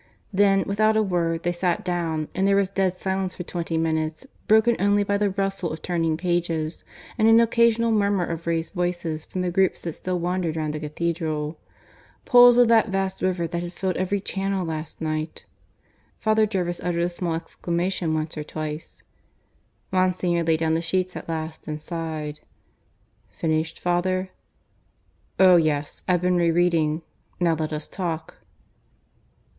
Then, without a word, they sat down, and there was dead silence for twenty minutes, broken only by the rustle of turning pages, and an occasional murmur of raised voices from the groups that still wandered round the Cathedral pools of that vast river that had filled every channel last night. Father Jervis uttered a small exclamation once or twice. Monsignor laid down the sheets at last and sighed. "Finished, father?" "Oh, yes! I've been re reading. Now let us talk."